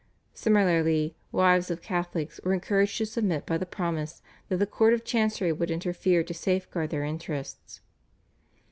Similarly wives of Catholics were encouraged to submit by the promise that the Court of Chancery would interfere to safeguard their interests.